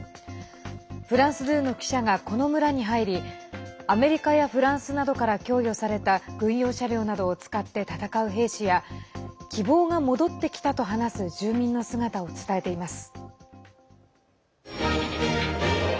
フランス２の記者がこの村に入りアメリカやフランスなどから供与された軍用車両などを使って戦う兵士や希望が戻ってきたと話す住民の姿を伝えています。